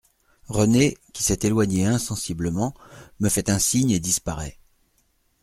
Renée, qui s'est éloignée insensiblement, me fait un signe et disparaît.